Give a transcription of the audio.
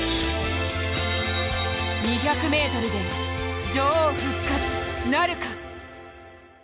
２００ｍで女王復活、なるか。